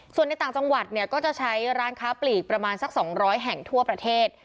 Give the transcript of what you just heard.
ส่วนในต่างจังหวัดเนี่ยก็จะใช้ร้านค้าปลีกประมาณสัก๒๐๐แห่งทั่วประเทศ